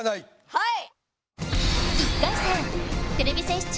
はい！